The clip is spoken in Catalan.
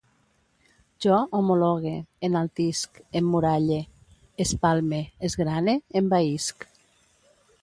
Jo homologue, enaltisc, emmuralle, espalme, esgrane, envaïsc